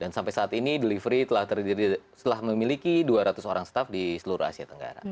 dan sampai saat ini delivery telah terjadi setelah memiliki dua ratus orang staff di seluruh asia tenggara